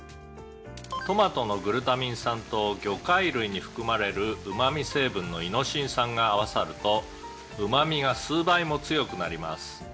「トマトのグルタミン酸と魚介類に含まれるうま味成分のイノシン酸が合わさるとうま味が数倍も強くなります」